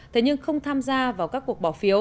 thế nhưng không tham gia vào các cuộc bỏ phiếu